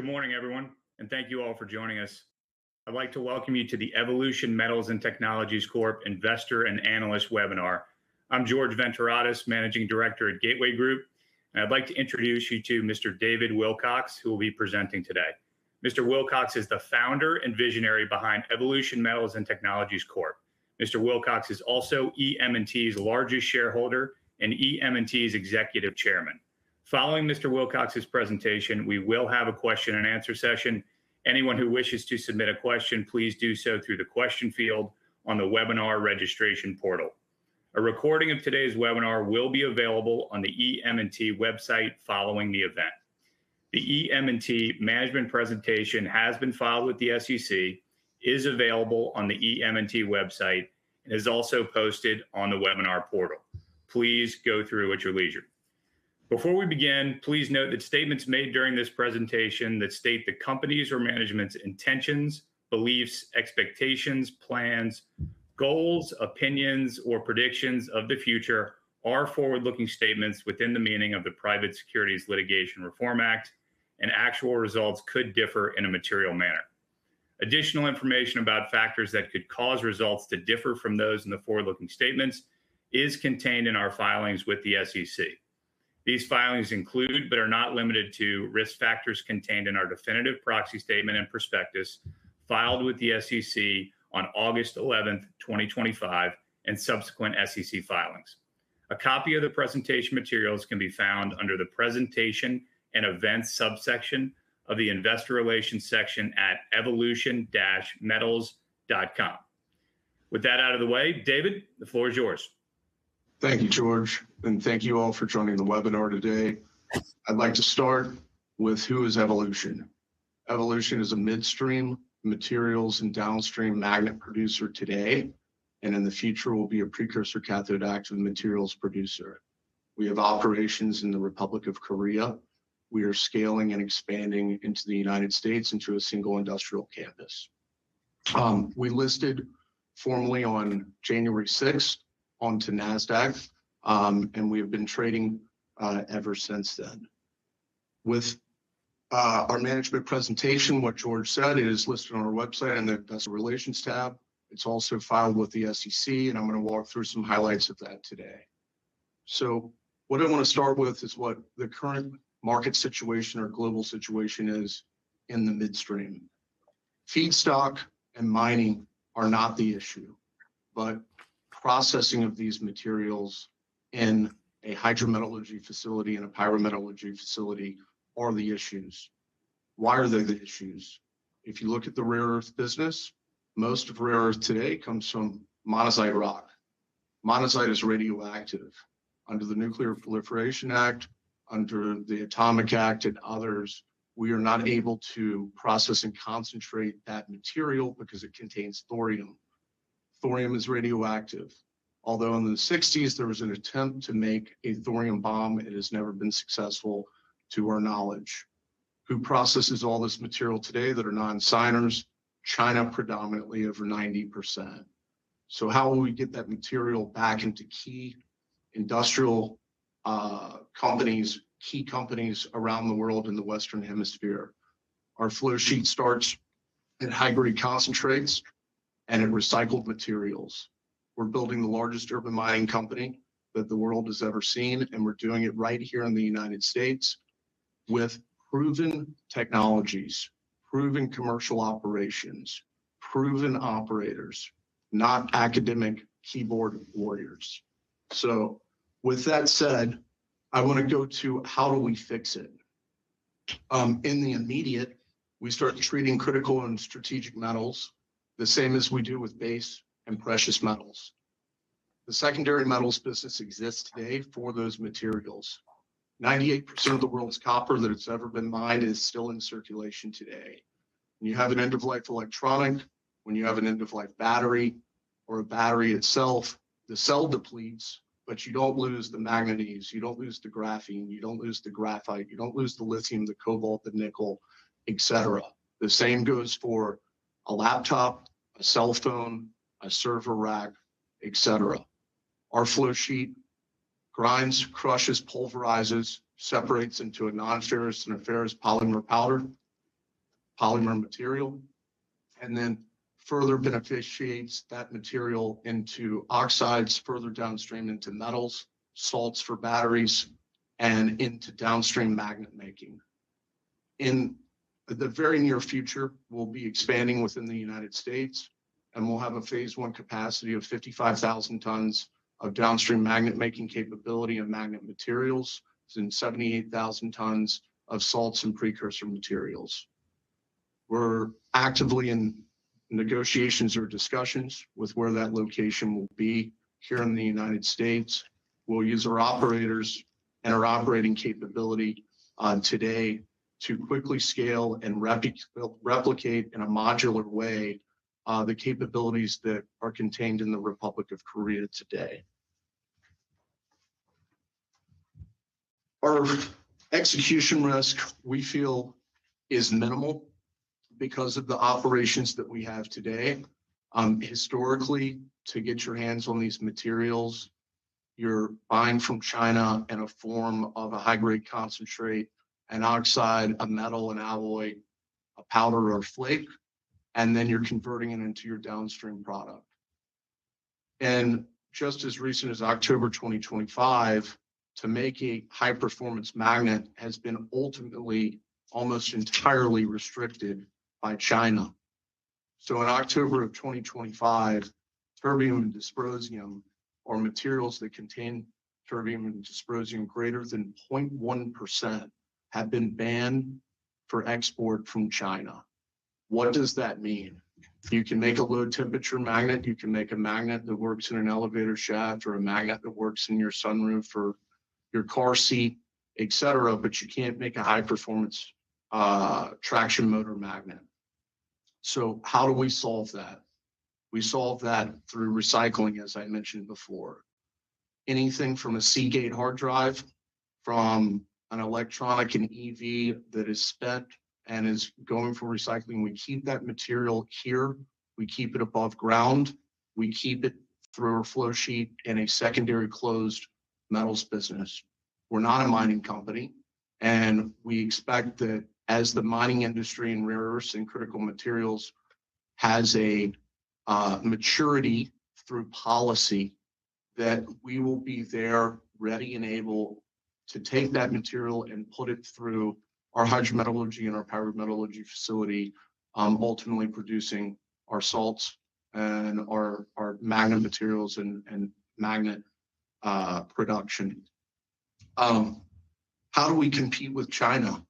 Good morning, everyone, and thank you all for joining us. I'd like to welcome you to the Evolution Metals & Technologies Corp. Investor and Analyst Webinar. I'm Georg Venturatos, Managing Director at Gateway Group, and I'd like to introduce you to Mr. David Wilcox, who will be presenting today. Mr. Wilcox is the founder and visionary behind Evolution Metals & Technologies Corp. Mr. Wilcox is also EM&T's largest shareholder and EM&T's Executive Chairman. Following Mr. Wilcox's presentation, we will have a question and answer session. Anyone who wishes to submit a question, please do so through the question field on the webinar registration portal. A recording of today's webinar will be available on the EM&T website following the event. The EM&T management presentation has been filed with the SEC, is available on the EM&T website, and is also posted on the webinar portal. Please go through at your leisure. Before we begin, please note that statements made during this presentation that state the company's or management's intentions, beliefs, expectations, plans, goals, opinions, or predictions of the future are forward-looking statements within the meaning of the Private Securities Litigation Reform Act, and actual results could differ in a material manner. Additional information about factors that could cause results to differ from those in the forward-looking statements is contained in our filings with the SEC. These filings include, but are not limited to, risk factors contained in our definitive proxy statement and prospectus filed with the SEC on August 11th, 2025, and subsequent SEC filings. A copy of the presentation materials can be found under the Presentation and Events subsection of the Investor Relations section at evolution-metals.com. With that out of the way, David, the floor is yours. Thank you, Georg, and thank you all for joining the webinar today. I'd like to start with who is Evolution. Evolution is a midstream materials and downstream magnet producer today, and in the future will be a precursor cathode active materials producer. We have operations in the Republic of Korea. We are scaling and expanding into the U.S. into a single industrial campus. We listed formally on January 6th on to Nasdaq, and we have been trading ever since then. With our management presentation, what Georg said, it is listed on our website under the Investor Relations tab. It's also filed with the SEC, and I'm going to walk through some highlights of that today. What I want to start with is what the current market situation or global situation is in the midstream. Feedstock and mining are not the issue, but processing of these materials in a hydrometallurgy facility and a pyrometallurgy facility are the issues. Why are they the issues? If you look at the rare earth business, most of rare earth today comes from monazite rock. Monazite is radioactive. Under the Nuclear Non-Proliferation Act, under the Atomic Energy Act, and others, we are not able to process and concentrate that material because it contains thorium. Thorium is radioactive. Although in the 1960s there was an attempt to make a thorium bomb, it has never been successful to our knowledge. Who processes all this material today that are non-signers? China, predominantly over 90%. How will we get that material back into key industrial companies, key companies around the world in the Western hemisphere? Our flow sheet starts at high-grade concentrates and at recycled materials. We're building the largest urban mining company that the world has ever seen, and we're doing it right here in the U.S. with proven technologies, proven commercial operations, proven operators, not academic keyboard warriors. With that said, I want to go to how do we fix it. In the immediate, we start treating critical and strategic metals the same as we do with base and precious metals. The secondary metals business exists today for those materials. 98% of the world's copper that has ever been mined is still in circulation today. When you have an end-of-life electronic, when you have an end-of-life battery or a battery itself, the cell depletes, but you don't lose the manganese, you don't lose the graphene, you don't lose the graphite, you don't lose the lithium, the cobalt, the nickel, et cetera. The same goes for a laptop, a cell phone, a server rack, et cetera. Our flow sheet grinds, crushes, pulverizes, separates into a non-ferrous and a ferrous polymer powder, polymer material, and then further beneficiates that material into oxides, further downstream into metals, salts for batteries, and into downstream magnet making. In the very near future, we'll be expanding within the U.S., and we'll have a phase 1 capacity of 55,000 tons of downstream magnet-making capability of magnet materials, and 78,000 tons of salts and precursor materials. We're actively in negotiations or discussions with where that location will be here in the U.S. We'll use our operators and our operating capability on today to quickly scale and replicate in a modular way the capabilities that are contained in the Republic of Korea today. Our execution risk, we feel is minimal because of the operations that we have today. Historically, to get your hands on these materials, you're buying from China in a form of a high-grade concentrate, an oxide, a metal, an alloy, a powder, or a flake, and then you're converting it into your downstream product. Just as recent as October 2025, to make a high-performance magnet has been ultimately almost entirely restricted by China. In October of 2025, terbium and dysprosium, or materials that contain terbium and dysprosium greater than 0.1%, have been banned for export from China. What does that mean? You can make a low-temperature magnet, you can make a magnet that works in an elevator shaft, or a magnet that works in your sunroof or your car seat, et cetera, but you can't make a high-performance traction motor magnet. How do we solve that? We solve that through recycling, as I mentioned before. Anything from a Seagate hard drive, from an electronic, an EV that is spent and is going for recycling, we keep that material here, we keep it above ground, we keep it through our flow sheet in a secondary closed metals business. We're not a mining company, and we expect that as the mining industry in rare earths and critical materials has a maturity through policy, that we will be there, ready and able to take that material and put it through our hydrometallurgy and our pyrometallurgy facility, ultimately producing our salts and our magnet materials, and magnet production. How do we compete with China?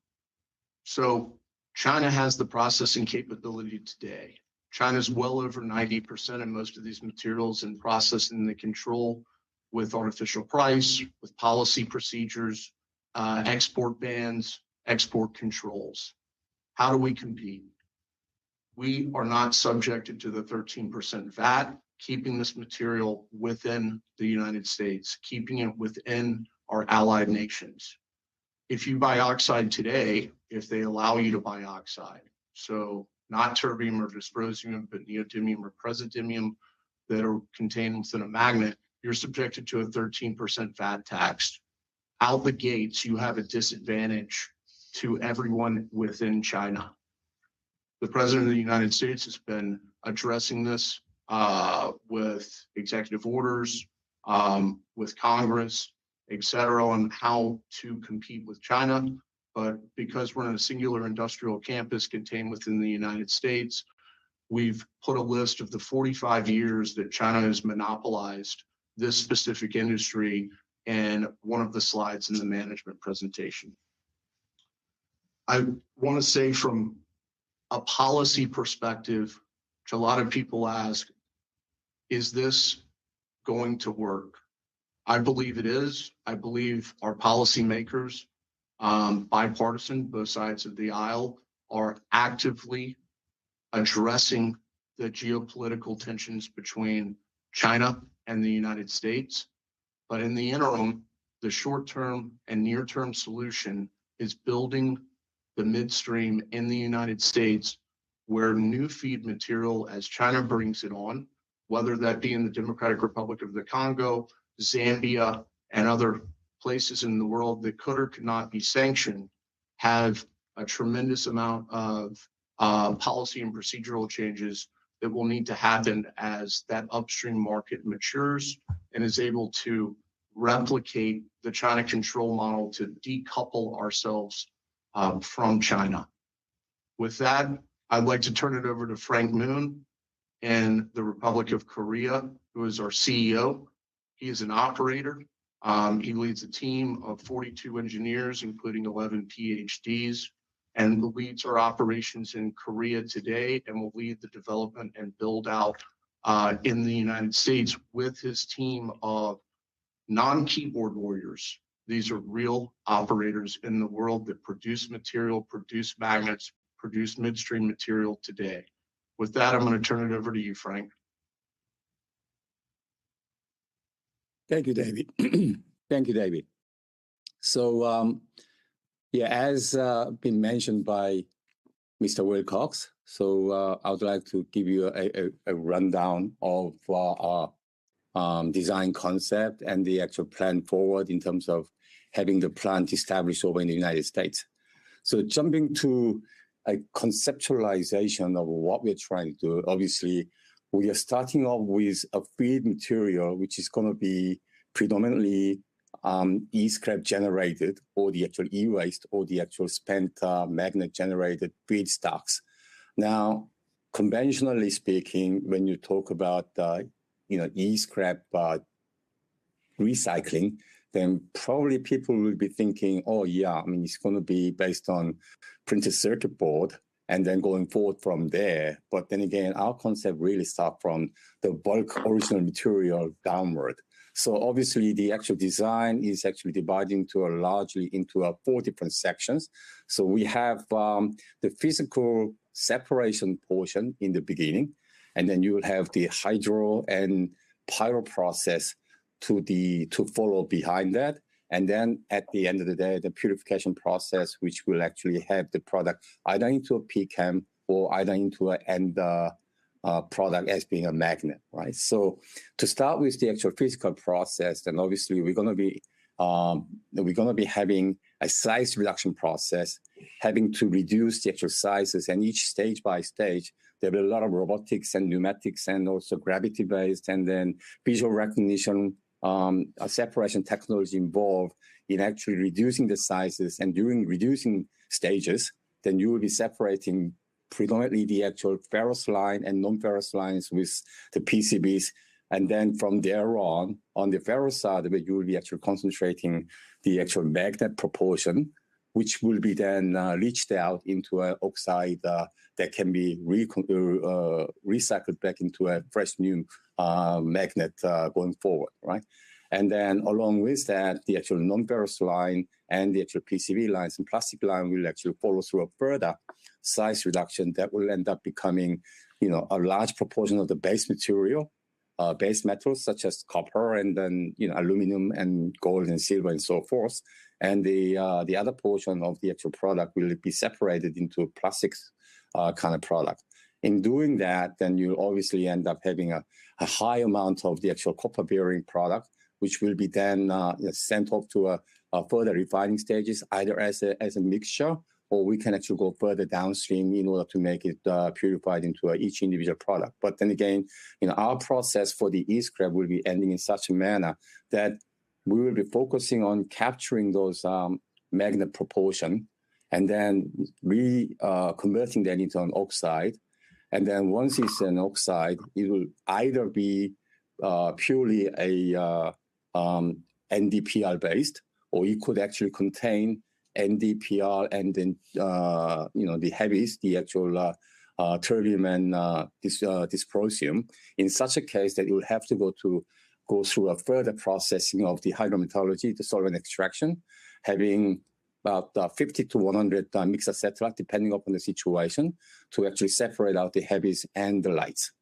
China has the processing capability today. China's well over 90% of most of these materials and processing the control with artificial price, with policy procedures, export bans, export controls. How do we compete? We are not subjected to the 13% VAT, keeping this material within the U.S., keeping it within our allied nations. If you buy oxide today, if they allow you to buy oxide, so not terbium or dysprosium, but neodymium or praseodymium that are contained within a magnet, you're subjected to a 13% VAT tax. Out the gates, you have a disadvantage to everyone within China. The President of the U.S. has been addressing this with executive orders, with Congress, et cetera, on how to compete with China. Because we're in a singular industrial campus contained within the U.S., we've put a list of the 45 years that China has monopolized this specific industry in one of the slides in the management presentation. I want to say from a policy perspective, which a lot of people ask, is this going to work? I believe it is. I believe our policymakers, bipartisan, both sides of the aisle, are actively addressing the geopolitical tensions between China and the U.S. In the interim, the short-term and near-term solution is building the midstream in the U.S. where new feed material as China brings it on, whether that be in the Democratic Republic of the Congo, Zambia, and other places in the world that could or could not be sanctioned, have a tremendous amount of policy and procedural changes that will need to happen as that upstream market matures and is able to replicate the China control model to decouple ourselves from China. With that, I'd like to turn it over to Frank Moon in the Republic of Korea, who is our CEO. He is an operator. He leads a team of 42 engineers, including 11 PhDs, and he leads our operations in Korea today and will lead the development and build-out in the U.S. with his team of non-keyboard warriors. These are real operators in the world that produce material, produce magnets, produce midstream material today. With that, I'm going to turn it over to you, Frank. Thank you, David. Thank you, David. Yeah, as been mentioned by Mr. Wilcox, I would like to give you a rundown of our design concept and the actual plan forward in terms of having the plant established over in the U.S. Jumping to a conceptualization of what we're trying to do, obviously, we are starting off with a feed material, which is going to be predominantly E-scrap generated or the actual E-waste or the actual spent magnet-generated feedstocks. Now, conventionally speaking, when you talk about E-scrap recycling, then probably people will be thinking, "Oh, yeah. It's going to be based on printed circuit board and then going forward from there." Then again, our concept really start from the bulk original material downward. Obviously, the actual design is actually divided largely into four different sections. We have the physical separation portion in the beginning, you'll have the hydro and pyro process to follow behind that. At the end of the day, the purification process which will actually have the product either into a P-CAM or either into an end product as being a magnet, right? To start with the actual physical process, obviously we're going to be having a size reduction process, having to reduce the actual sizes. Each stage by stage, there'll be a lot of robotics and pneumatics, also gravity-based, and then visual recognition, separation technology involved in actually reducing the sizes. During reducing stages, you will be separating predominantly the actual ferrous line and non-ferrous lines with the PCBs. From there on the ferrous side of it, you will be actually concentrating the actual magnet proportion, which will be leached out into an oxide that can be recycled back into a fresh new magnet going forward, right? Along with that, the actual non-ferrous line and the actual PCB lines and plastic line will actually follow through a further size reduction that will end up becoming a large proportion of the base material, base metals such as copper, aluminum, gold and silver and so forth. The other portion of the actual product will be separated into a plastics kind of product. In doing that, you'll obviously end up having a high amount of the actual copper-bearing product, which will be sent off to further refining stages, either as a mixture, or we can actually go further downstream in order to make it purified into each individual product. Again, our process for the e-scrap will be ending in such a manner that we will be focusing on capturing those magnet proportion, re-converting that into an oxide. Once it's an oxide, it will either be purely NdPr-based, or it could actually contain NdPr and the heavies, the actual terbium and dysprosium. In such a case that you'll have to go through a further processing of the hydrometallurgy, the solvent extraction, having about 50-100 mixed extract depending upon the situation to actually separate out the heavies and the lights.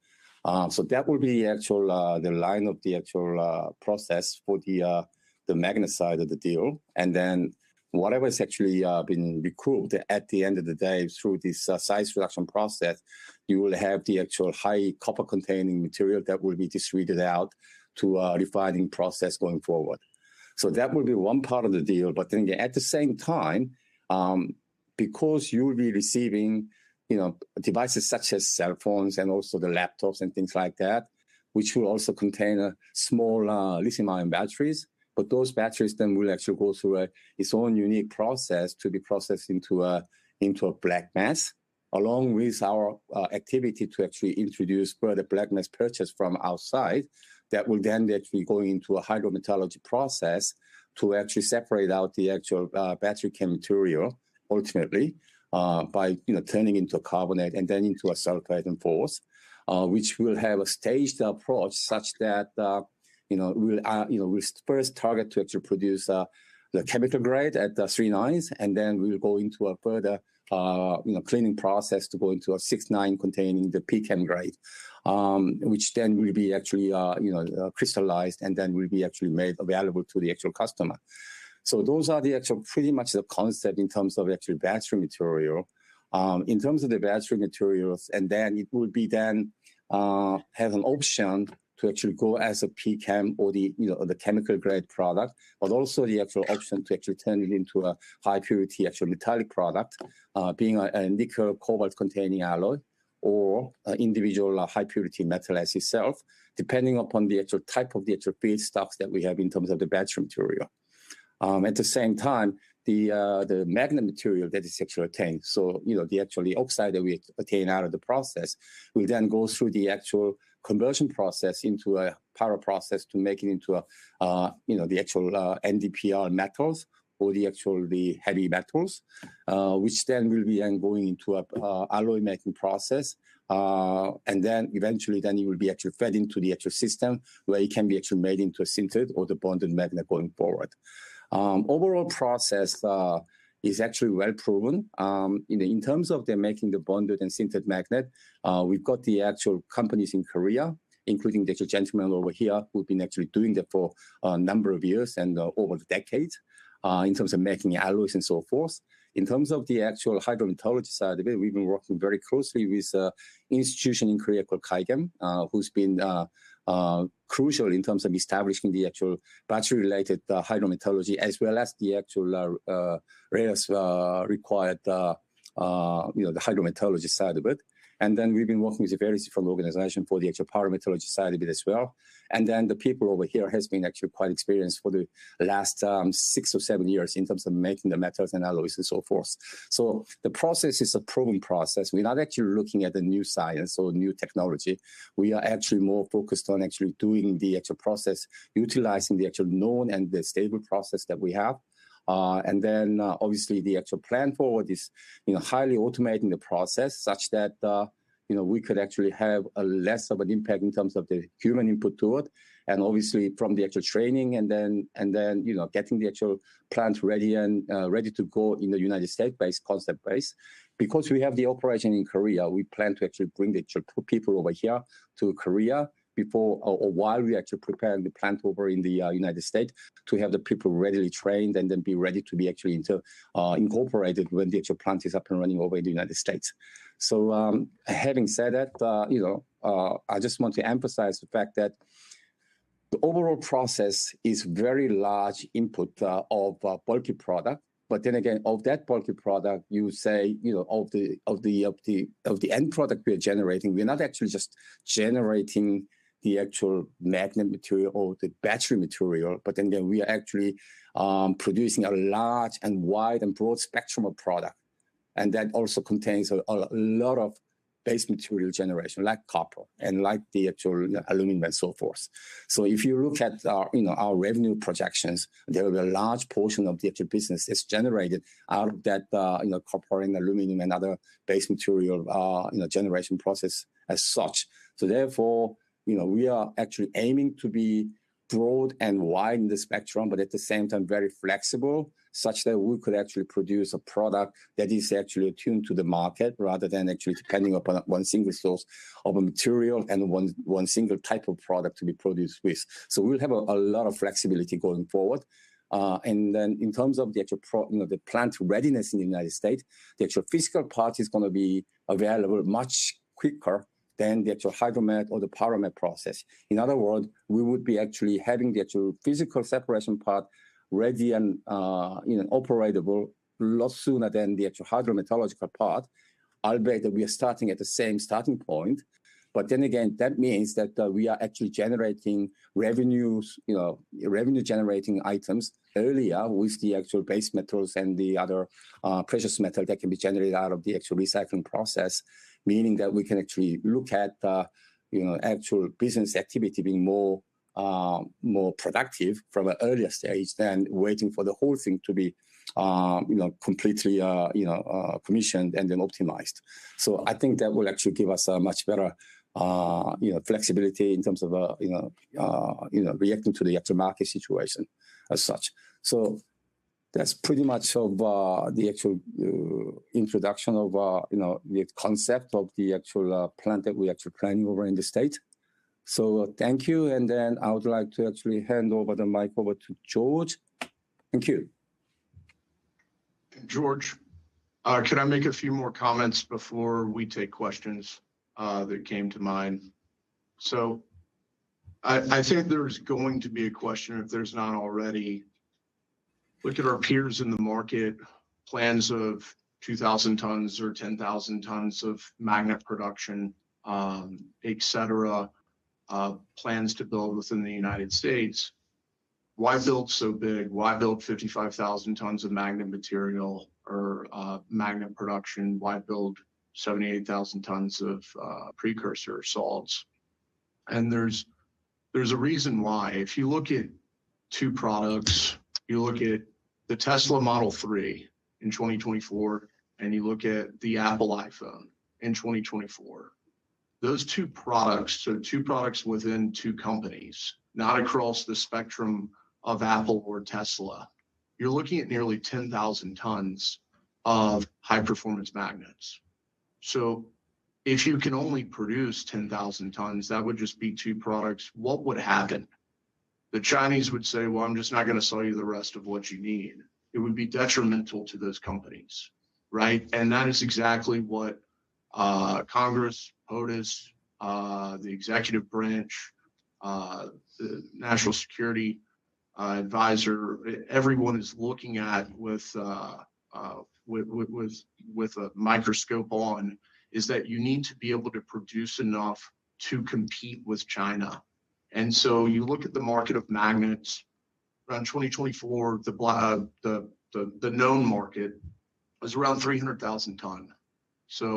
That will be the line of the actual process for the magnet side of the deal. Whatever has actually been recouped at the end of the day through this size reduction process, you will have the actual high copper-containing material that will be distributed out to a refining process going forward. That will be one part of the deal. At the same time, because you will be receiving devices such as cell phones and also the laptops and things like that, which will also contain small lithium-ion batteries. Those batteries then will actually go through its own unique process to be processed into a black mass, along with our activity to actually introduce further black mass purchase from outside, that will then be actually going into a hydrometallurgy process to actually separate out the actual battery chemical material, ultimately, by turning into a carbonate and then into a sulfate and forth which will have a staged approach such that we'll first target to actually produce the chemical grade at the 3 nines, and then we'll go into a further cleaning process to go into a 6 nine containing the pCAM grade which then will be actually crystallized. Will be actually made available to the actual customer. Those are pretty much the concept in terms of actual battery material. In terms of the battery materials, it will then have an option to actually go as a pCAM or the chemical grade product, but also the actual option to actually turn it into a high purity actual metallic product, being a nickel cobalt-containing alloy or individual high purity metal as itself, depending upon the actual type of the actual feedstocks that we have in terms of the battery material. At the same time, the magnet material that is actually obtained, so the actual oxide that we obtain out of the process, will then go through the actual conversion process into a power process to make it into the actual NdPr metals or the actual heavy metals which then will be then going into a alloy-making process. Eventually, then it will be actually fed into the actual system where it can be actually made into a sintered or the bonded magnet going forward. Overall process is actually well proven. In terms of the making the bonded and sintered magnet, we've got the actual companies in Korea, including the actual gentleman over here, who've been actually doing that for a number of years and over the decades, in terms of making alloys and so forth. In terms of the actual hydrometallurgy side of it, we've been working very closely with a institution in Korea called KIGAM, who's been crucial in terms of establishing the actual battery-related hydrometallurgy as well as the actual rare earths required, the hydrometallurgy side of it. We've been working with a very different organization for the actual pyrometallurgy side of it as well. The people over here has been actually quite experienced for the last six or seven years in terms of making the metals and alloys and so forth. The process is a proven process. We're not actually looking at the new science or new technology. We are actually more focused on actually doing the actual process, utilizing the actual known and the stable process that we have. Obviously the actual plan forward is highly automating the process such that we could actually have a less of an impact in terms of the human input to it. Obviously, from the actual training and then getting the actual plant ready to go in the United States base concept base. We have the operation in Korea, we plan to actually bring the people over here to Korea while we actually prepare the plant over in the United States to have the people readily trained and then be ready to be actually incorporated when the actual plant is up and running over in the United States. Having said that, I just want to emphasize the fact that the overall process is very large input of bulky product. Again, of that bulky product, you say of the end product we are generating, we are not actually just generating the actual magnet material or the battery material, we are actually producing a large and wide and broad spectrum of product. That also contains a lot of base material generation, like copper and like the actual aluminum and so forth. If you look at our revenue projections, there is a large portion of the actual business is generated out of that copper and aluminum and other base material generation process as such. Therefore, we are actually aiming to be broad and wide in the spectrum, but at the same time very flexible, such that we could actually produce a product that is actually attuned to the market rather than actually depending upon one single source of a material and one single type of product to be produced with. We'll have a lot of flexibility going forward. In terms of the actual plant readiness in the United States, the actual physical part is going to be available much quicker than the actual hydromet or the pyromet process. In other words, we would be actually having the actual physical separation part ready and operatable a lot sooner than the actual hydrometallurgical part, albeit that we are starting at the same starting point. Again, that means that we are actually generating revenue-generating items earlier with the actual base metals and the other precious metal that can be generated out of the actual recycling process, meaning that we can actually look at actual business activity being more productive from an earlier stage than waiting for the whole thing to be completely commissioned and then optimized. I think that will actually give us a much better flexibility in terms of reacting to the actual market situation as such. That's pretty much the actual introduction of the concept of the actual plant that we're actually planning over in the State. Thank you. I would like to actually hand over the mic over to Georg. Thank you. Georg, could I make a few more comments before we take questions that came to mind? I think there's going to be a question, if there's not already, look at our peers in the market, plans of 2,000 tons or 10,000 tons of magnet production, et cetera, plans to build within the U.S. Why build so big? Why build 55,000 tons of magnet material or magnet production? Why build 78,000 tons of precursor salts? There's a reason why. If you look at two products, you look at the Tesla Model 3 in 2024, and you look at the Apple iPhone in 2024. Those two products, two products within two companies, not across the spectrum of Apple or Tesla. You're looking at nearly 10,000 tons of high-performance magnets. If you can only produce 10,000 tons, that would just be two products. What would happen? The Chinese would say, "Well, I'm just not going to sell you the rest of what you need." It would be detrimental to those companies, right? That is exactly what Congress, POTUS, the executive branch, the national security advisor, everyone is looking at with a microscope on, is that you need to be able to produce enough to compete with China. You look at the market of magnets around 2024, the known market was around 300,000 tons.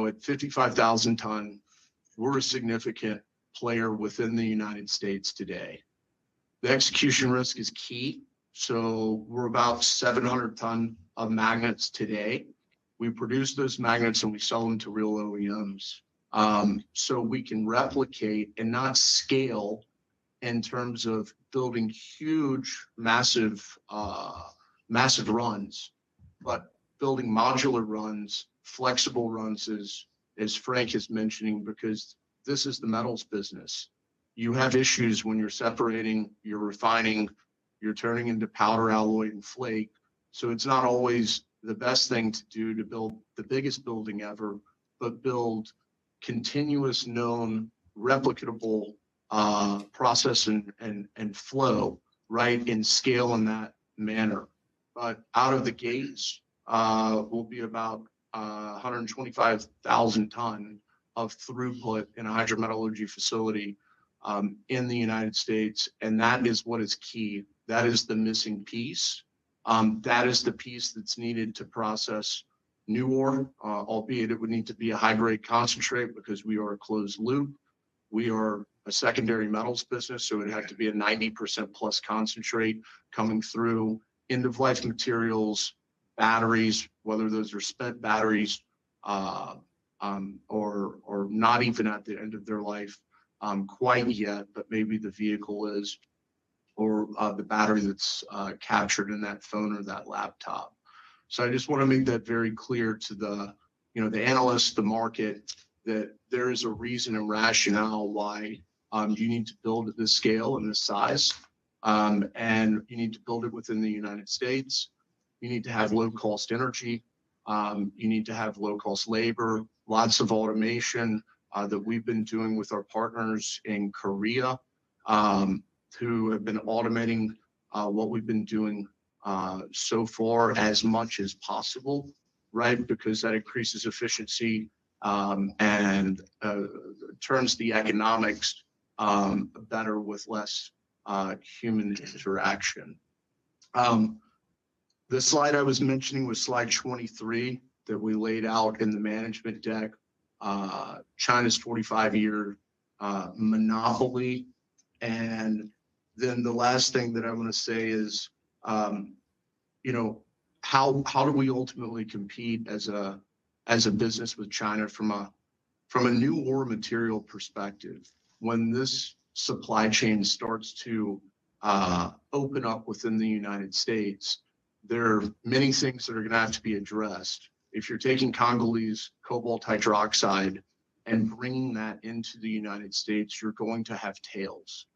At 55,000 tons, we're a significant player within the U.S. today. The execution risk is key. We're about 700 tons of magnets today. We produce those magnets and we sell them to real OEMs. We can replicate and not scale in terms of building huge, massive runs, but building modular runs, flexible runs, as Frank is mentioning, because this is the metals business. You have issues when you're separating, you're refining, you're turning into powder alloy and flake. It's not always the best thing to do to build the biggest building ever, but build continuous known replicatable process and flow, right, and scale in that manner. Out of the gates will be about 125,000 tons of throughput in a hydrometallurgy facility in the U.S., and that is what is key. That is the missing piece. That is the piece that's needed to process new ore, albeit it would need to be a high-grade concentrate because we are a closed loop. We are a secondary metals business, so it would have to be a 90%-plus concentrate coming through end-of-life materials, batteries, whether those are spent batteries or not even at the end of their life quite yet, but maybe the vehicle is, or the battery that's captured in that phone or that laptop. I just want to make that very clear to the analysts, the market, that there is a reason and rationale why you need to build this scale and this size, and you need to build it within the U.S. You need to have low-cost energy. You need to have low-cost labor, lots of automation that we've been doing with our partners in Korea, who have been automating what we've been doing so far as much as possible, because that increases efficiency and turns the economics better with less human interaction. The slide I was mentioning was slide 23 that we laid out in the management deck, China's 45-year monopoly. The last thing that I want to say is how do we ultimately compete as a business with China from a new ore material perspective? When this supply chain starts to open up within the U.S., there are many things that are going to have to be addressed. If you're taking Congolese cobalt hydroxide and bringing that into the U.S., you're going to have tails.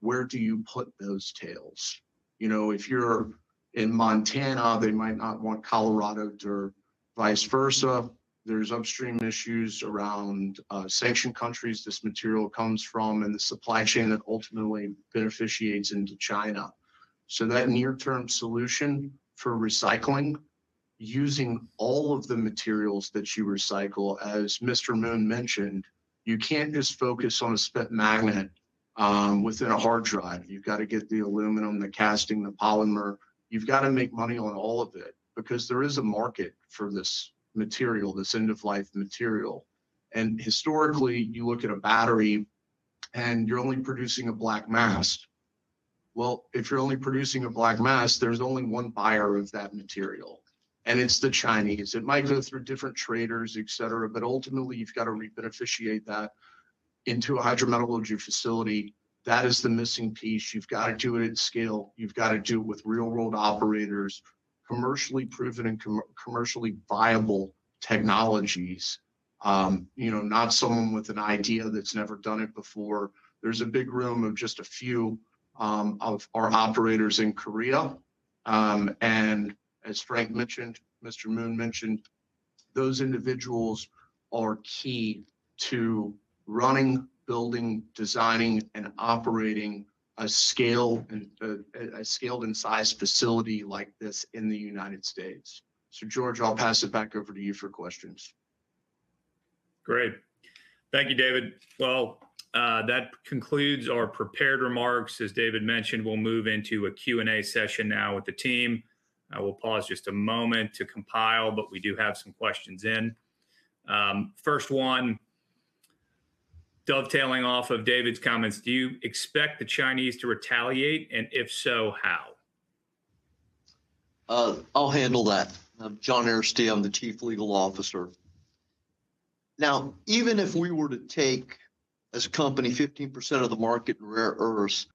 Where do you put those tails? If you're in Montana, they might not want Colorado dirt, vice versa. There's upstream issues around sanctioned countries this material comes from and the supply chain that ultimately beneficiates into China. That near-term solution for recycling, using all of the materials that you recycle, as Mr. Moon mentioned, you can't just focus on a spent magnet within a hard drive. You've got to get the aluminum, the casting, the polymer. You've got to make money on all of it, because there is a market for this end-of-life material. Historically, you look at a battery and you're only producing a black mass. Well, if you're only producing a black mass, there's only one buyer of that material, and it's the Chinese. It might go through different traders, et cetera, but ultimately you've got to re-beneficiate that into a hydrometallurgy facility. That is the missing piece. You've got to do it at scale. You've got to do it with real-world operators, commercially proven and commercially viable technologies. Not someone with an idea that's never done it before. There's a big room of just a few of our operators in Korea. As Frank mentioned, Mr. Moon mentioned, those individuals are key to running, building, designing, and operating a scaled and sized facility like this in the U.S. Georg, I'll pass it back over to you for questions. Great. Thank you, David. Well, that concludes our prepared remarks. As David mentioned, we'll move into a Q&A session now with the team. I will pause just a moment to compile, but we do have some questions in. First one, dovetailing off of David's comments, do you expect the Chinese to retaliate, and if so, how? I'll handle that. I'm John Arrastia. I'm the Chief Legal Officer. Even if we were to take, as a company, 15% of the market in rare earths,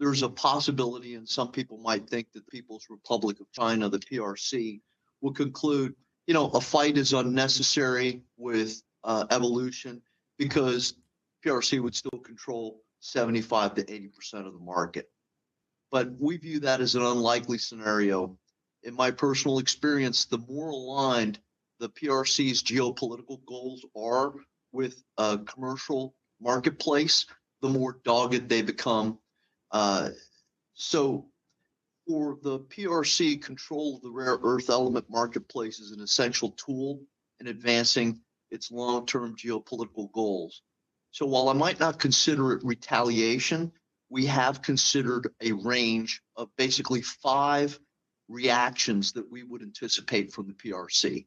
there's a possibility, and some people might think that the People's Republic of China, the PRC, will conclude a fight is unnecessary with Evolution because PRC would still control 75%-80% of the market. We view that as an unlikely scenario. In my personal experience, the more aligned the PRC's geopolitical goals are with a commercial marketplace, the more dogged they become. For the PRC, control of the rare earth element marketplace is an essential tool in advancing its long-term geopolitical goals. While I might not consider it retaliation, we have considered a range of basically five reactions that we would anticipate from the PRC.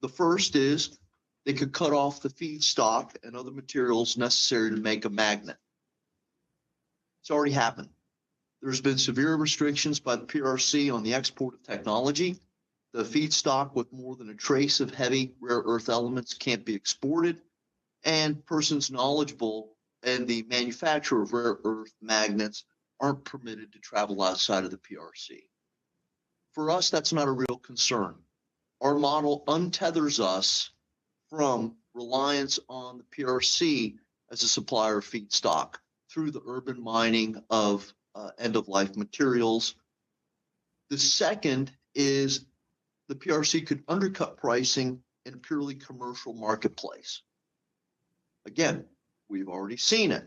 The first is they could cut off the feedstock and other materials necessary to make a magnet. It's already happened. There's been severe restrictions by the PRC on the export of technology. The feedstock with more than a trace of heavy rare earth elements can't be exported, and persons knowledgeable in the manufacture of rare earth magnets aren't permitted to travel outside of the PRC. For us, that's not a real concern. Our model untethers us from reliance on the PRC as a supplier of feedstock through the urban mining of end-of-life materials. The second is the PRC could undercut pricing in a purely commercial marketplace. Again, we've already seen it.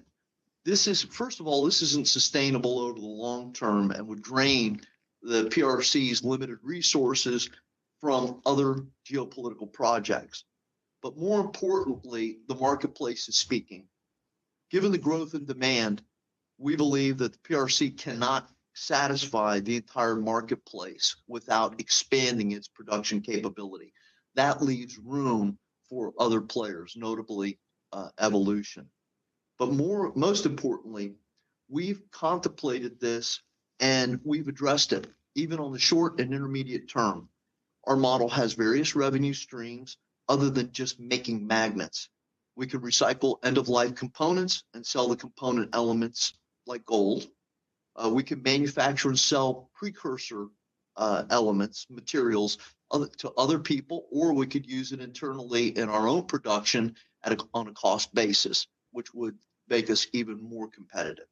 First of all, this isn't sustainable over the long term and would drain the PRC's limited resources from other geopolitical projects. More importantly, the marketplace is speaking. Given the growth in demand, we believe that the PRC cannot satisfy the entire marketplace without expanding its production capability. That leaves room for other players, notably Evolution. Most importantly, we've contemplated this and we've addressed it, even on the short and intermediate term. Our model has various revenue streams other than just making magnets. We could recycle end-of-life components and sell the component elements like gold. We could manufacture and sell precursor elements, materials to other people, or we could use it internally in our own production on a cost basis, which would make us even more competitive.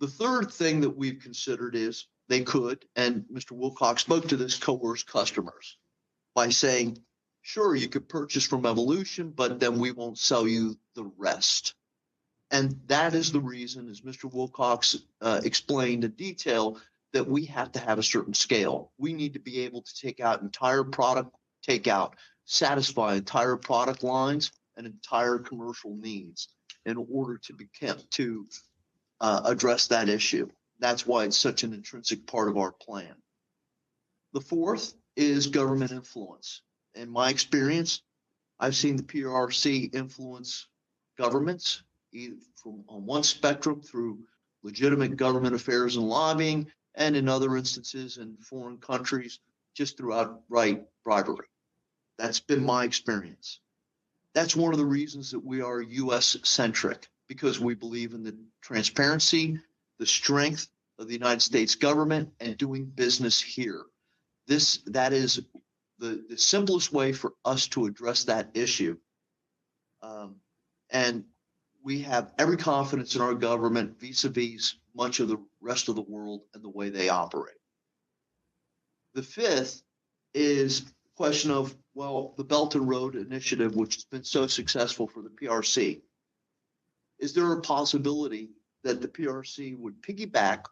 The third thing that we've considered is they could, and Mr. Wilcox spoke to this, coerce customers by saying, "Sure, you could purchase from Evolution, but then we won't sell you the rest." That is the reason, as Mr. Wilcox explained in detail, that we have to have a certain scale. We need to be able to take out entire product take-out, satisfy entire product lines and entire commercial needs in order to address that issue. That's why it's such an intrinsic part of our plan. The fourth is government influence. In my experience, I've seen the PRC influence governments, on one spectrum through legitimate government affairs and lobbying, and in other instances in foreign countries, just through outright bribery. That's been my experience. That's one of the reasons that we are U.S.-centric, because we believe in the transparency, the strength of the United States government and doing business here. That is the simplest way for us to address that issue. We have every confidence in our government vis-a-vis much of the rest of the world and the way they operate. The fifth is the question of, well, the Belt and Road Initiative, which has been so successful for the PRC. Is there a possibility that the PRC would piggyback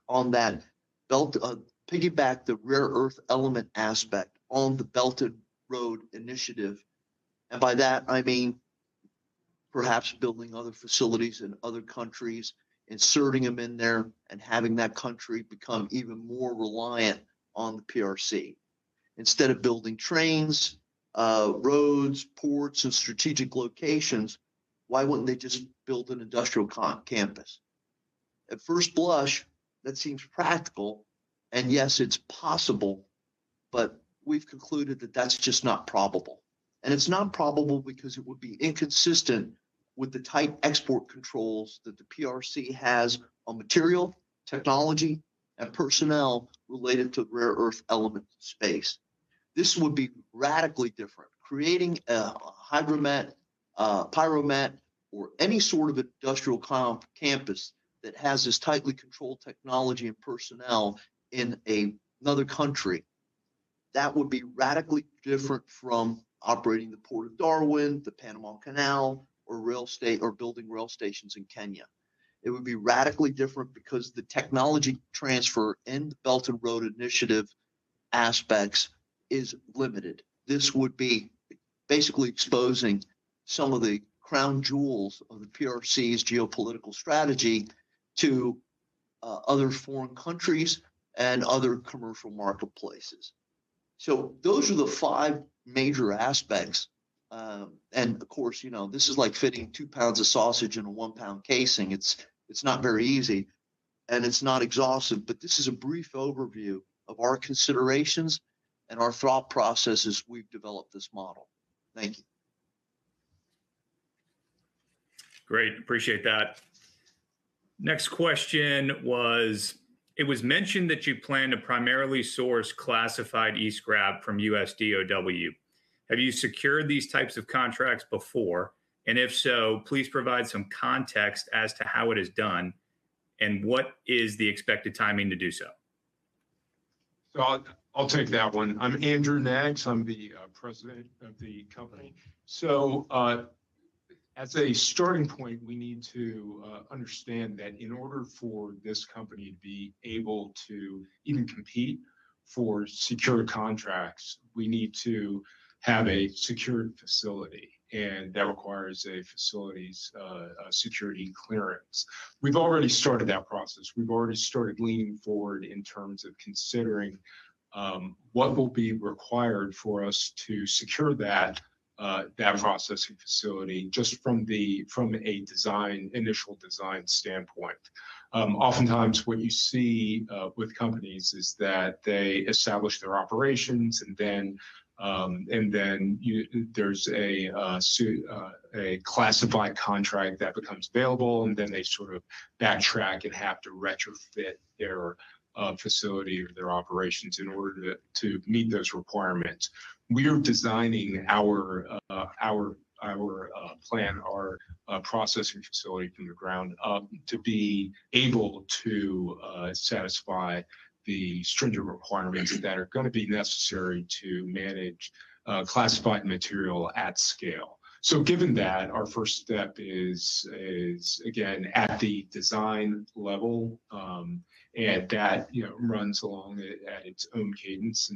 the rare earth element aspect on the Belt and Road Initiative? By that, I mean perhaps building other facilities in other countries, inserting them in there, and having that country become even more reliant on the PRC. Instead of building trains, roads, ports in strategic locations, why wouldn't they just build an industrial campus? At first blush, that seems practical, and yes, it's possible, but we've concluded that that's just not probable. It's not probable because it would be inconsistent with the tight export controls that the PRC has on material, technology, and personnel related to the rare earth elements space. This would be radically different. Creating a hydromet, a pyromet, or any sort of industrial campus that has this tightly controlled technology and personnel in another country, that would be radically different from operating the Port of Darwin, the Panama Canal, or building rail stations in Kenya. It would be radically different because the technology transfer in the Belt and Road Initiative aspects is limited. This would be basically exposing some of the crown jewels of the PRC's geopolitical strategy to other foreign countries and other commercial marketplaces. Those are the five major aspects. Of course, this is like fitting two pounds of sausage in a one-pound casing. It's not very easy, and it's not exhaustive, but this is a brief overview of our considerations and our thought process as we've developed this model. Thank you. Great. Appreciate that. Next question was, "It was mentioned that you plan to primarily source classified E-scrap from US DOE. Have you secured these types of contracts before? If so, please provide some context as to how it is done, and what is the expected timing to do so? I'll take that one. I'm Andrew Knaggs. I'm the president of the company. As a starting point, we need to understand that in order for this company to be able to even compete for secured contracts, we need to have a secured facility. That requires a facility's security clearance. We've already started that process. We've already started leaning forward in terms of considering what will be required for us to secure that processing facility just from an initial design standpoint. Oftentimes, what you see with companies is that they establish their operations and then there's a classified contract that becomes available, and then they sort of backtrack and have to retrofit their facility or their operations in order to meet those requirements. We're designing our plan, our processing facility from the ground up to be able to satisfy the stringent requirements that are going to be necessary to manage classified material at scale. Given that, our first step is, again, at the design level, and that runs along at its own cadence.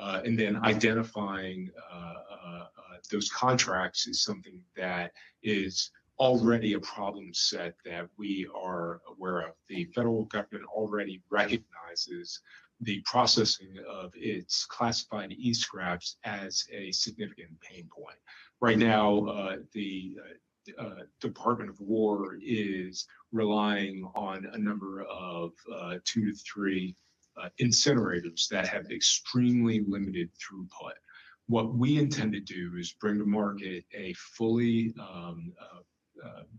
Identifying those contracts is something that is already a problem set that we are aware of. The federal government already recognizes the processing of its classified E-scraps as a significant pain point. Right now, the Department of Defense is relying on a number of two to three incinerators that have extremely limited throughput. What we intend to do is bring to market a fully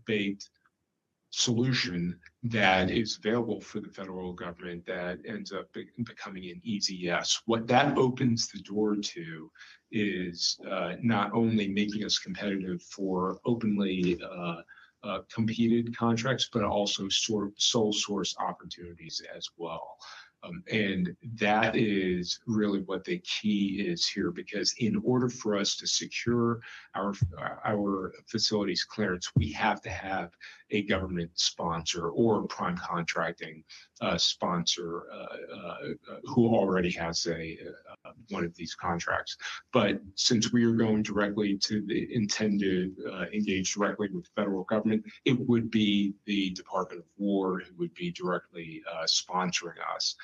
baked solution that is available for the federal government that ends up becoming an easy yes. What that opens the door to is not only making us competitive for openly competed contracts, but also sole source opportunities as well. That is really what the key is here, because in order for us to secure our facilities clearance, we have to have a government sponsor or prime contracting sponsor who already has one of these contracts. Since we are going directly to engage directly with the federal government, it would be the Department of Defense who would be directly sponsoring us.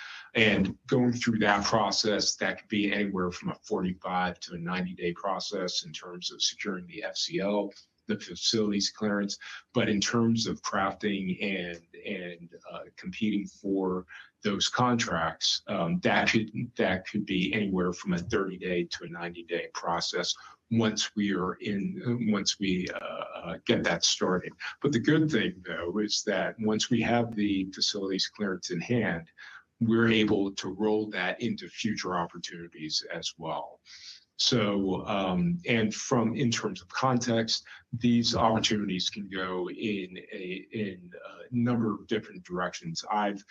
Going through that process, that could be anywhere from a 45- to 90-day process in terms of securing the FCL, the facilities clearance. In terms of crafting and competing for those contracts, that could be anywhere from a 30-day to 90-day process once we get that started. The good thing, though, is that once we have the facilities clearance in hand, we're able to roll that into future opportunities as well. From, in terms of context, these opportunities can go in a number of different directions. I've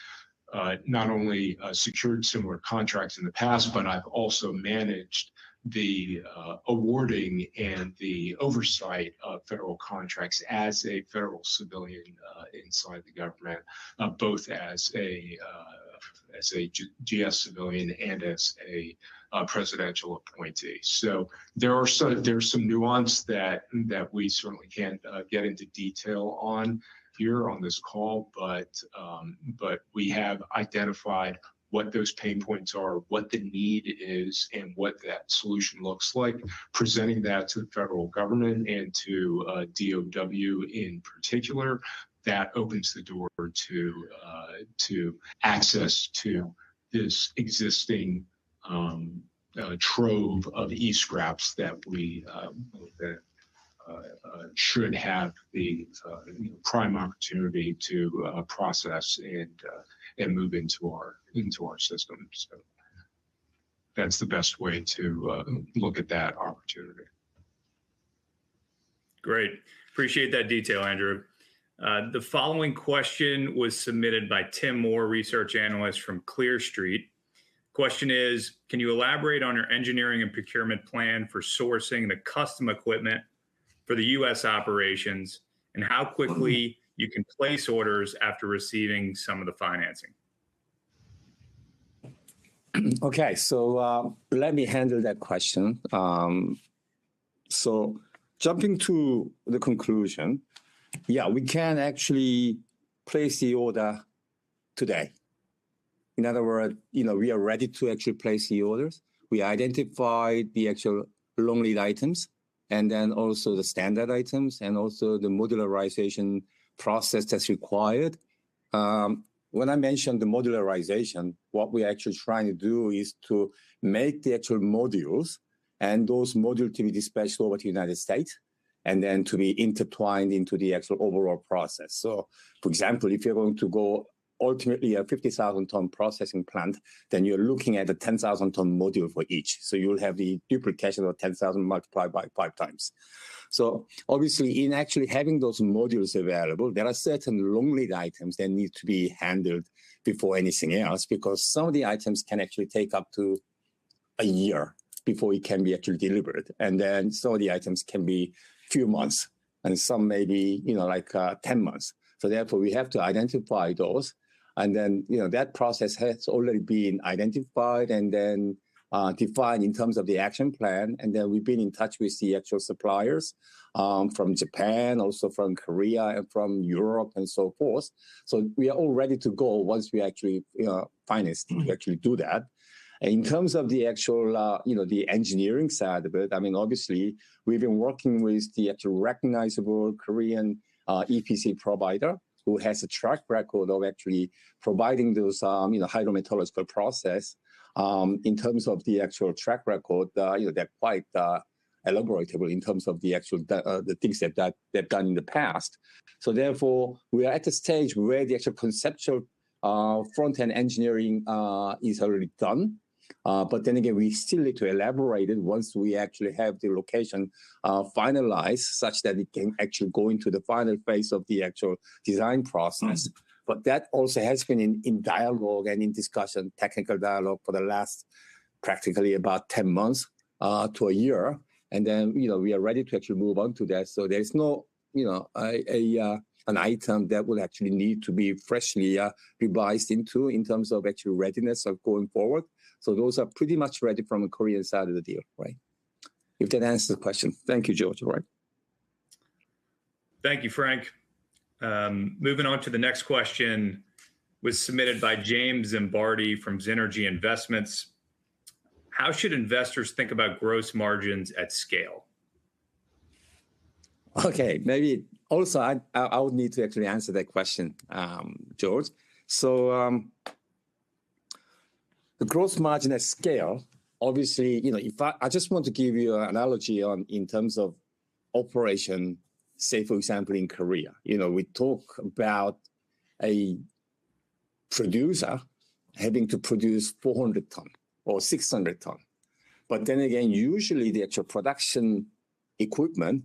not only secured similar contracts in the past, but I've also managed the awarding and the oversight of federal contracts as a federal civilian inside the government, both as a GS civilian and as a presidential appointee. There's some nuance that we certainly can't get into detail on here on this call, but we have identified what those pain points are, what the need is, and what that solution looks like. Presenting that to the federal government and to DOD in particular, that opens the door to access to this existing trove of E-scraps that should have the prime opportunity to process and move into our system. That is the best way to look at that opportunity. Great. Appreciate that detail, Andrew. The following question was submitted by Tim Moore, research analyst from Clear Street. Question is, "Can you elaborate on your engineering and procurement plan for sourcing the custom equipment for the U.S. operations, and how quickly you can place orders after receiving some of the financing? Let me handle that question. Jumping to the conclusion, yeah, we can actually place the order today. In other words, we are ready to actually place the orders. We identified the actual long lead items, and also the standard items, and also the modularization process that is required. When I mentioned the modularization, what we are actually trying to do is to make the actual modules, and those module to be dispatched over to United States, and then to be intertwined into the actual overall process. For example, if you are going to go ultimately a 50,000-ton processing plant, then you are looking at a 10,000-ton module for each. You will have the duplication of 10,000 multiplied by 5 times. Obviously, in actually having those modules available, there are certain long lead items that need to be handled before anything else, because some of the items can actually take up to a year before it can be actually delivered. Some of the items can be few months, and some may be 10 months. We have to identify those, and that process has already been identified and defined in terms of the action plan, and we have been in touch with the actual suppliers from Japan, also from Korea, and from Europe and so forth. We are all ready to go once we actually finance to actually do that. In terms of the actual engineering side of it, obviously we have been working with the actual recognizable Korean EPC provider who has a track record of actually providing those hydrometallurgical process. In terms of the actual track record, they're quite elaboratable in terms of the things that they've done in the past. We are at a stage where the actual conceptual front-end engineering is already done. We still need to elaborate it once we actually have the location finalized such that it can actually go into the final phase of the actual design process. That also has been in dialogue and in discussion, technical dialogue, for the last practically about 10 months to a year. We are ready to actually move on to that. There is no an item that will actually need to be freshly revised into in terms of actual readiness of going forward. Those are pretty much ready from the Korean side of the deal. If that answers the question. Thank you, Georg. All right. Thank you, Frank. Moving on to the next question, was submitted by James Zimbardi from Zynergy. "How should investors think about gross margins at scale? Okay. Maybe also, I would need to actually answer that question, Georg. The gross margin at scale, obviously I just want to give you an analogy in terms of operation, say, for example, in Korea. We talk about a producer having to produce 400 ton or 600 ton. Usually the actual production equipment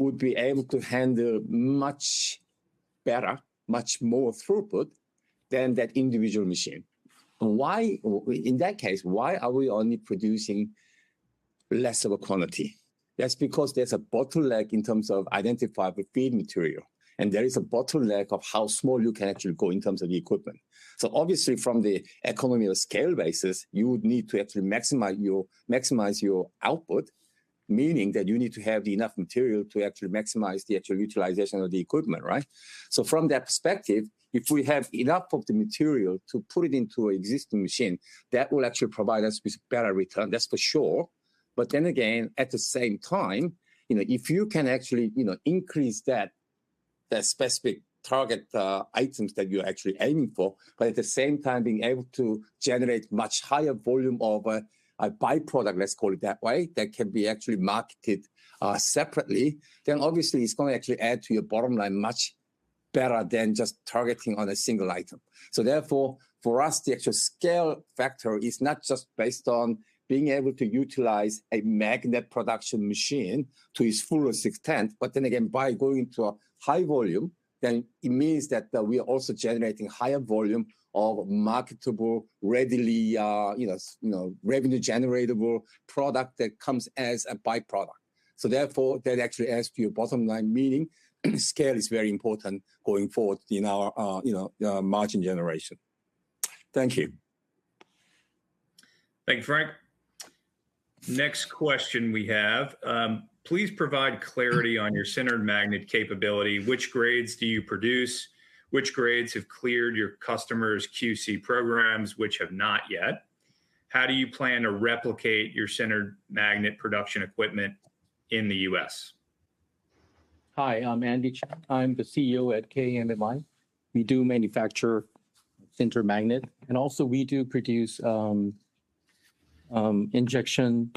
would be able to handle much better, much more throughput than that individual machine. In that case, why are we only producing less of a quantity? That's because there's a bottleneck in terms of identifiable feed material, and there is a bottleneck of how small you can actually go in terms of the equipment. From the economy of scale basis, you would need to actually maximize your output, meaning that you need to have enough material to actually maximize the actual utilization of the equipment, right? From that perspective, if we have enough of the material to put it into existing machine, that will actually provide us with better return, that's for sure. At the same time, if you can actually increase that specific target items that you're actually aiming for, but at the same time being able to generate much higher volume of a byproduct, let's call it that way, that can be actually marketed separately, then obviously it's going to actually add to your bottom line much better than just targeting on a single item. For us, the actual scale factor is not just based on being able to utilize a magnet production machine to its fullest extent, by going to a high volume, then it means that we are also generating higher volume of marketable, readily revenue generatable product that comes as a byproduct. Therefore, that actually adds to your bottom line, meaning scale is very important going forward in our margin generation. Thank you. Thank you, Frank. Next question we have. Please provide clarity on your sintered magnet capability. Which grades do you produce? Which grades have cleared your customers' QC programs, which have not yet? How do you plan to replicate your sintered magnet production equipment in the U.S.? Hi, I'm Andy Chun. I'm the CEO at KMM. We do manufacture sintered magnet, also we do produce injection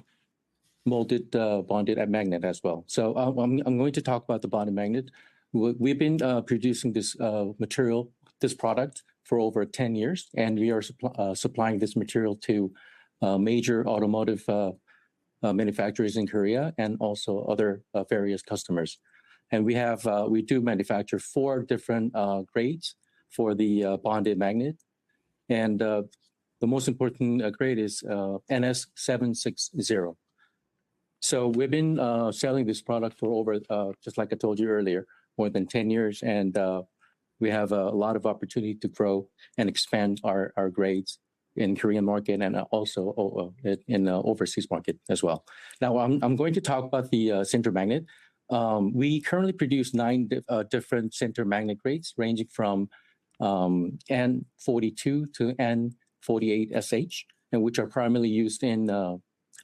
molded bonded magnet as well. I'm going to talk about the bonded magnet. We've been producing this material, this product, for over 10 years, and we are supplying this material to major automotive manufacturers in Korea and also other various customers. We do manufacture 4 different grades for the bonded magnet, and the most important grade is NS760. We've been selling this product for over, just like I told you earlier, more than 10 years, and we have a lot of opportunity to grow and expand our grades in Korean market and also in the overseas market as well. Now, I'm going to talk about the sintered magnet. We currently produce 9 different sintered magnet grades, ranging from N42 to N48SH, which are primarily used in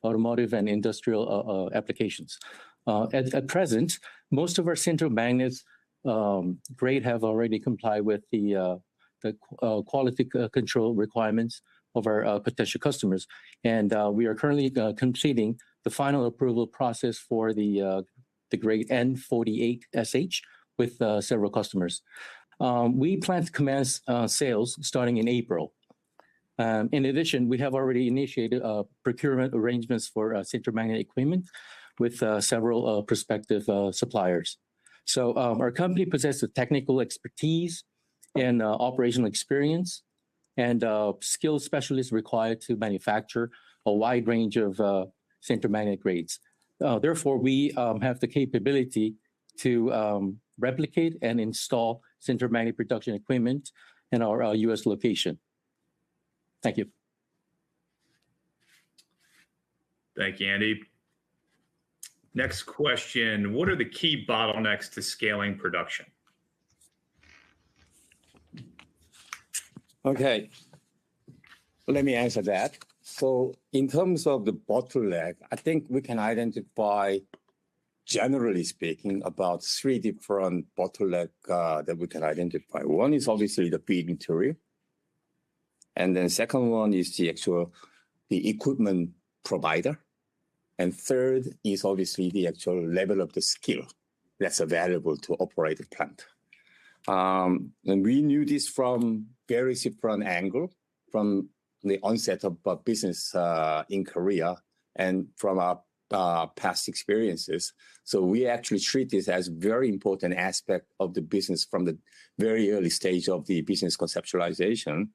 automotive and industrial applications. At present, most of our sintered magnets grade have already complied with the quality control requirements of our potential customers. We are currently completing the final approval process for the grade N48SH with several customers. We plan to commence sales starting in April. In addition, we have already initiated procurement arrangements for sintered magnetic equipment with several prospective suppliers. Our company possesses technical expertise and operational experience and skilled specialists required to manufacture a wide range of sintered magnetic grades. Therefore, we have the capability to replicate and install sintered magnetic production equipment in our U.S. location. Thank you. Thank you, Andy. Next question. What are the key bottlenecks to scaling production? Okay. Let me answer that. In terms of the bottleneck, I think we can identify, generally speaking, about three different bottleneck that we can identify. One is obviously the feed material, second one is the actual equipment provider, third is obviously the actual level of the skill that's available to operate the plant. We knew this from very different angle, from the onset of our business in Korea and from our past experiences. We actually treat this as very important aspect of the business from the very early stage of the business conceptualization.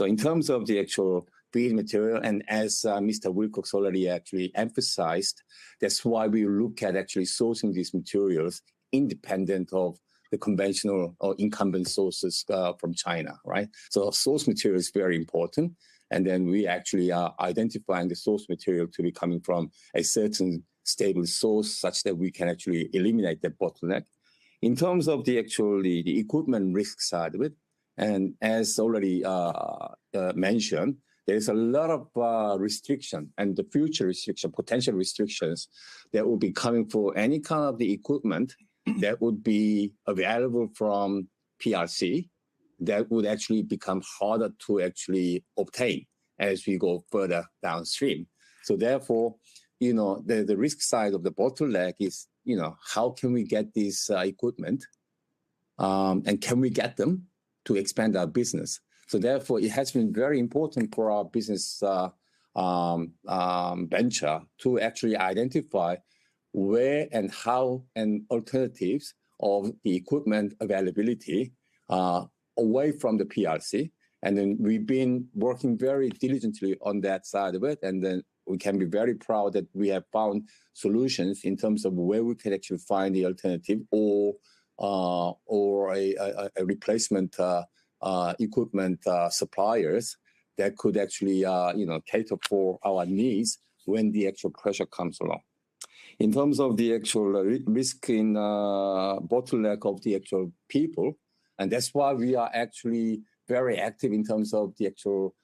In terms of the actual feed material, as Mr. Wilcox already actually emphasized, that's why we look at actually sourcing these materials independent of the conventional or incumbent sources from China, right? Our source material is very important, we actually are identifying the source material to be coming from a certain stable source such that we can actually eliminate that bottleneck. In terms of the actual equipment risk side of it, as already mentioned, there's a lot of restriction, the future restriction, potential restrictions that will be coming for any kind of the equipment that would be available from PRC. That would actually become harder to actually obtain as we go further downstream. Therefore, the risk side of the bottleneck is how can we get this equipment, can we get them to expand our business? Therefore, it has been very important for our business venture to actually identify where and how, alternatives of the equipment availability away from the PRC. We've been working very diligently on that side of it, we can be very proud that we have found solutions in terms of where we could actually find the alternative or a replacement equipment suppliers that could actually cater for our needs when the actual pressure comes along. In terms of the actual risk in bottleneck of the actual people, that's why we are actually very active in terms of the actual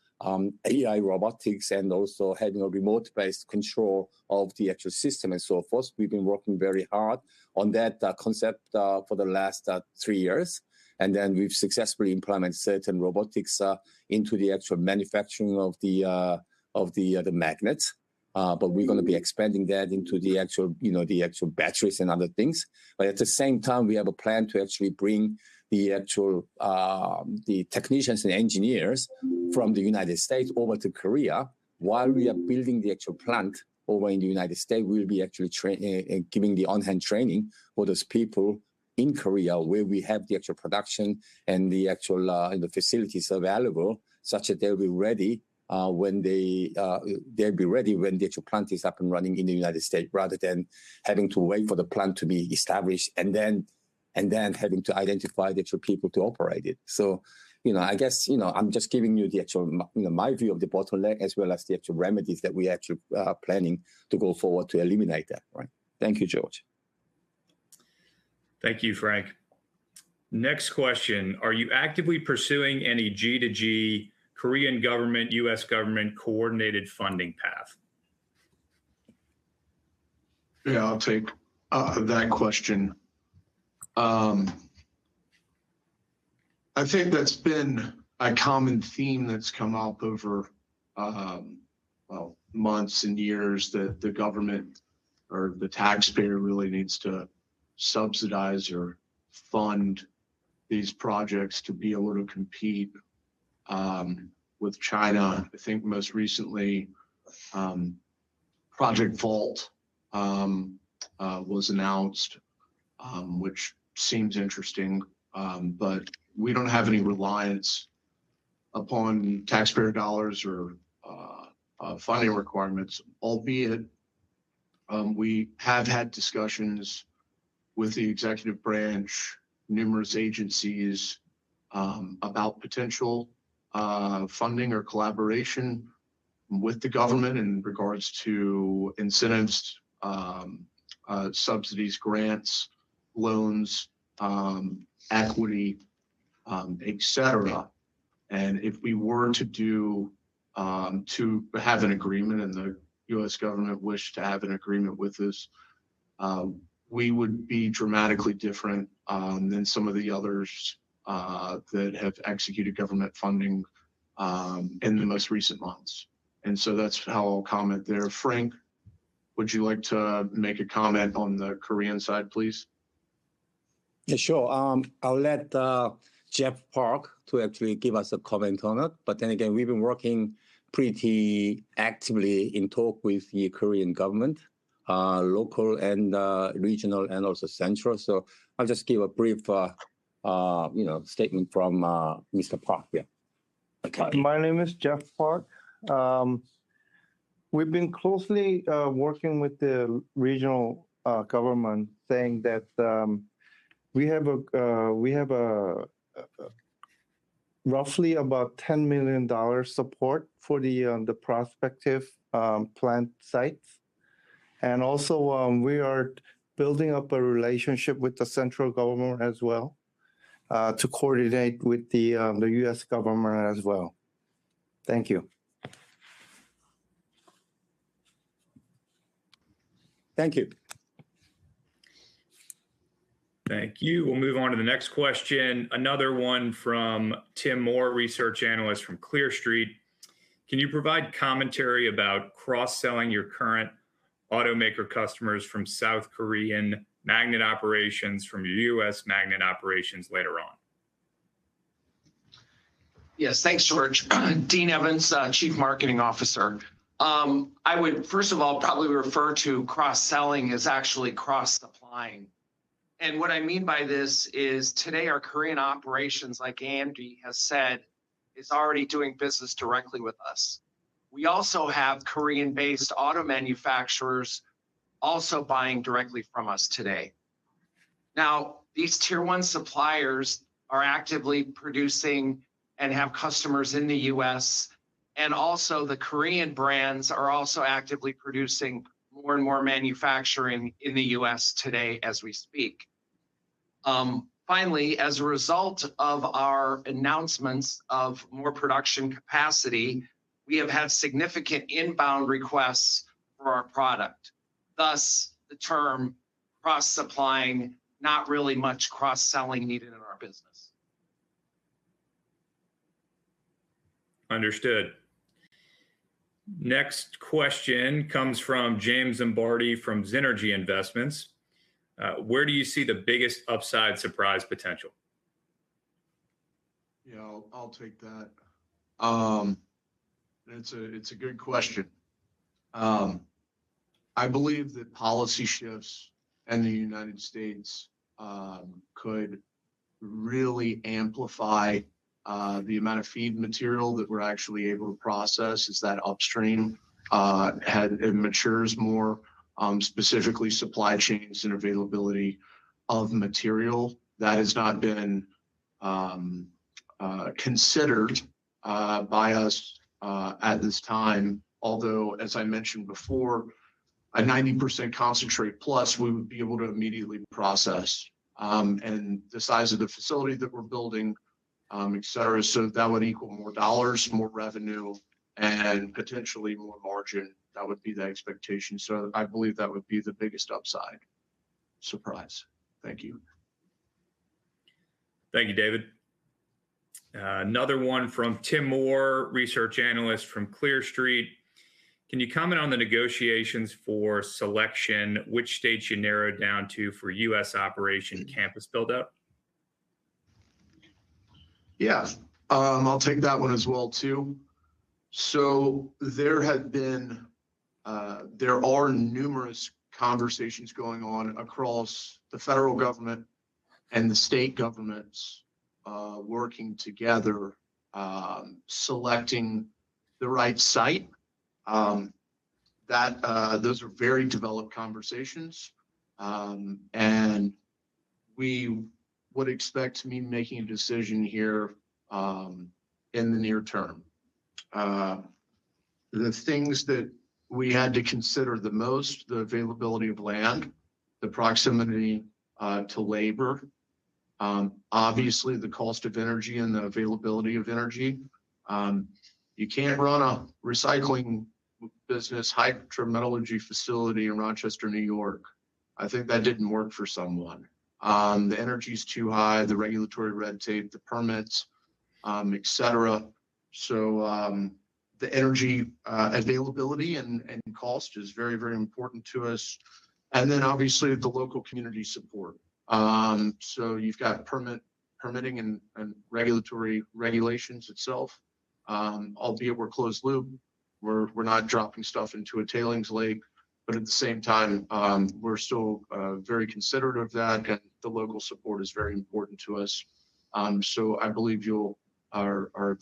AI robotics and also having a remote-based control of the actual system and so forth. We've been working very hard on that concept for the last three years, we've successfully implemented certain robotics into the actual manufacturing of the magnets. We're going to be expanding that into the actual batteries and other things. At the same time, we have a plan to actually bring the technicians and engineers from the U.S. over to Korea while we are building the actual plant over in the U.S. We'll be actually giving the on-hand training for those people in Korea, where we have the actual production and the actual facilities available, such that they'll be ready when the actual plant is up and running in the U.S., rather than having to wait for the plant to be established and then having to identify the actual people to operate it. I guess, I'm just giving you my view of the bottleneck as well as the actual remedies that we actually are planning to go forward to eliminate that. Thank you, Georg. Thank you, Frank. Next question: Are you actively pursuing any G to G Korean Government/U.S. Government coordinated funding path? I'll take that question. I think that's been a common theme that's come up over, well, months and years, that the government or the taxpayer really needs to subsidize or fund these projects to be able to compete with China. I think most recently, Project VOLT was announced, which seems interesting. We don't have any reliance upon taxpayer dollars or funding requirements, albeit we have had discussions with the executive branch, numerous agencies, about potential funding or collaboration with the government in regards to incentives, subsidies, grants, loans, equity, et cetera. If we were to have an agreement and the U.S. Government wished to have an agreement with us, we would be dramatically different than some of the others that have executed government funding in the most recent months. That's how I'll comment there. Frank, would you like to make a comment on the Korean side, please? Yeah, sure. I'll let Jeff Park to actually give us a comment on it. Again, we've been working pretty actively in talk with the Korean government, local and regional and also central. I'll just give a brief statement from Mr. Park. Yeah. Okay. My name is Jeff Park. We've been closely working with the regional government, saying that we have roughly about $10 million support for the prospective plant sites. Also, we are building up a relationship with the central government as well to coordinate with the U.S. government as well. Thank you. Thank you. Thank you. We'll move on to the next question. Another one from Tim Moore, research analyst from Clear Street: Can you provide commentary about cross-selling your current automaker customers from South Korean magnet operations from your U.S. magnet operations later on? Yes, thanks, Georg. Dean Evans, Chief Marketing Officer. I would first of all probably refer to cross-selling as actually cross-supplying. What I mean by this is today our Korean operations, like Andy Chun has said, is already doing business directly with us. We also have Korean-based auto manufacturers also buying directly from us today. These tier 1 suppliers are actively producing and have customers in the U.S., also the Korean brands are also actively producing more and more manufacturing in the U.S. today as we speak. Finally, as a result of our announcements of more production capacity, we have had significant inbound requests for our product, thus the term cross-supplying, not really much cross-selling needed in our business. Understood. Next question comes from James Zimbardi from Zynergy. I'll take that. It's a good question. I believe that policy shifts in the United States could really amplify the amount of feed material that we're actually able to process as that upstream. It matures more, specifically supply chains and availability of material. That has not been considered by us at this time. Although, as I mentioned before, a 90% concentrate plus we would be able to immediately process, and the size of the facility that we're building, et cetera. That would equal more dollars, more revenue, and potentially more margin. That would be the expectation. I believe that would be the biggest upside surprise. Thank you. Thank you, David Wilcox. Another one from Tim Moore, Research Analyst from Clear Street. Can you comment on the negotiations for selection, which states you narrowed down to for U.S. operation campus buildup? Yes. I'll take that one as well, too. There are numerous conversations going on across the federal government and the state governments working together selecting the right site. Those are very developed conversations. We would expect to be making a decision here in the near term. The things that we had to consider the most, the availability of land, the proximity to labor. Obviously, the cost of energy and the availability of energy. You can't run a recycling business hydrometallurgy facility in Rochester, New York. I think that didn't work for someone. The energy's too high, the regulatory red tape, the permits, et cetera. The energy availability and cost is very important to us. Obviously, the local community support. You've got permitting and regulatory regulations itself. Albeit we're closed loop, we're not dropping stuff into a tailings lake, but at the same time, we're still very considerate of that. The local support is very important to us. I believe the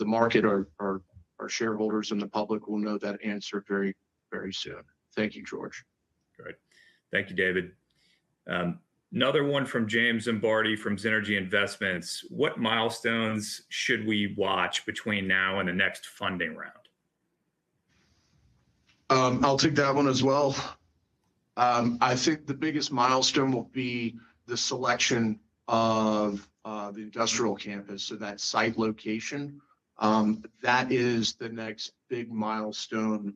market or our shareholders and the public will know that answer very soon. Thank you, Georg. Great. Thank you, David. Another one from James Zimbardi from Zynergy Investments. What milestones should we watch between now and the next funding round? I'll take that one as well. I think the biggest milestone will be the selection of the industrial campus. That site location. That is the next big milestone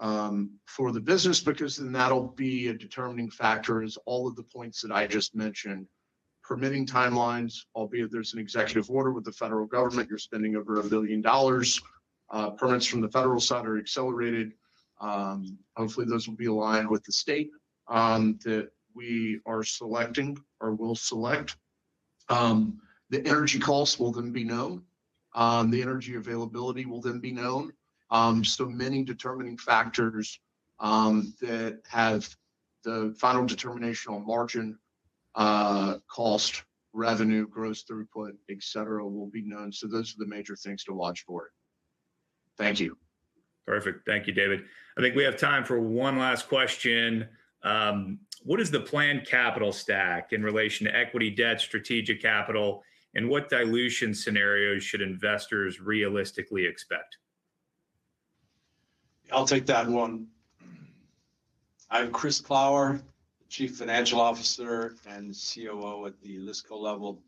for the business because then that'll be a determining factor as all of the points that I just mentioned. Permitting timelines, albeit there's an executive order with the federal government, you're spending over $1 billion. Permits from the federal side are accelerated. Hopefully, those will be aligned with the state that we are selecting or will select. The energy costs will then be known. The energy availability will then be known. Many determining factors that have the final determination on margin, cost, revenue, gross throughput, et cetera, will be known. Those are the major things to watch for. Thank you. Perfect. Thank you, David. I think we have time for one last question. What is the planned capital stack in relation to equity debt, strategic capital, and what dilution scenarios should investors realistically expect? I'll take that one. I'm Chris Clower, Chief Financial Officer and COO at the Listco level.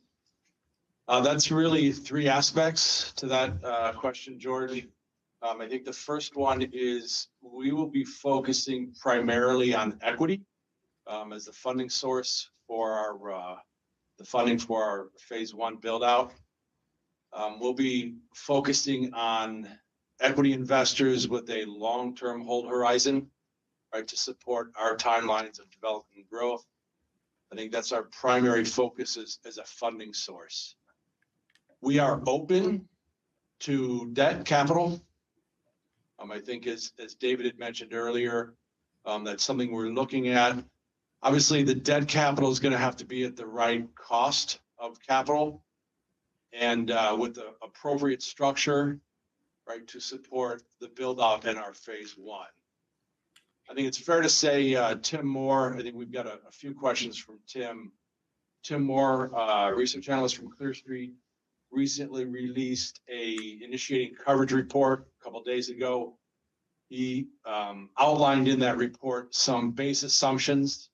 That's really three aspects to that question, Georg. I think the first one is we will be focusing primarily on equity as a funding source for the funding for our phase one build-out. We'll be focusing on equity investors with a long-term hold horizon to support our timelines of development and growth. I think that's our primary focus as a funding source. We are open to debt capital. I think as David had mentioned earlier, that's something we're looking at. Obviously, the debt capital is going to have to be at the right cost of capital and with the appropriate structure to support the build-out in our phase one. I think it's fair to say, Tim Moore, I think we've got a few questions from Tim. Tim Moore, research analyst from Clear Street, recently released an initiating coverage report a couple of days ago. He outlined in that report some base assumptions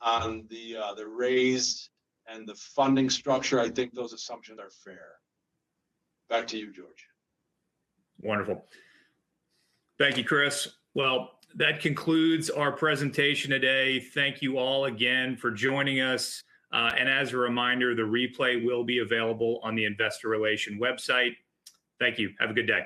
on the raise and the funding structure. I think those assumptions are fair. Back to you, Georg. Wonderful. Thank you, Chris. Well, that concludes our presentation today. Thank you all again for joining us. As a reminder, the replay will be available on the investor relation website. Thank you. Have a good day